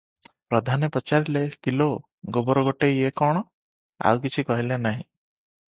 ପ୍ରଧାନେ ପଚାରିଲେ- "କିଲୋ ଗୋବରଗୋଟେଇ ଏ କଣ?" ଆଉ କିଛି କହିଲେ ନାହିଁ ।